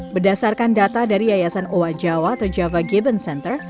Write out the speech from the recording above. berdasarkan data dari yayasan owa jawa atau java given center